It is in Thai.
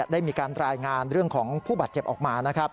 ได้มีการรายงานเรื่องของผู้บาดเจ็บออกมานะครับ